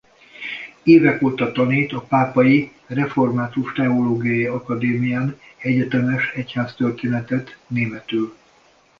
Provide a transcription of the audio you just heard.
Évek óta tanít a Pápai Református Teológiai Akadémián egyetemes egyháztörténetet németül.